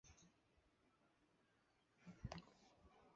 埃特尔贝克。